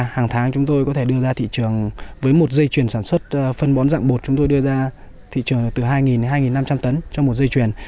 hàng tháng chúng tôi có thể đưa ra thị trường với một dây chuyển sản xuất phân bón dạng bột chúng tôi đưa ra thị trường từ hai đến hai năm trăm linh tấn cho một dây chuyền